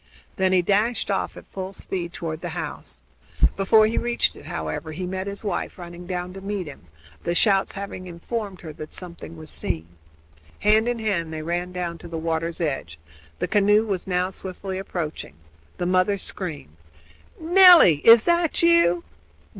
Then he dashed off at full speed toward the house. Before he reached it however, he met his wife running down to meet him, the shouts having informed her that something was seen. Hand in hand they ran down to the water's edge. The canoe was now swiftly approaching. The mother screamed: "Nelly! is that you?"